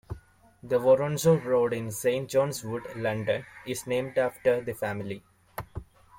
The Woronzow Road in Saint John's Wood, London, is named after the family.